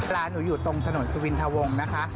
ร้านหนูอยู่ตรงถนนสุวินทะวงนะคะ